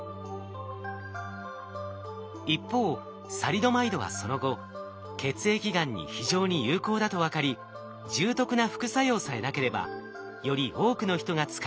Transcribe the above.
一方サリドマイドはその後血液がんに非常に有効だと分かり重篤な副作用さえなければより多くの人が使える薬になると期待されています。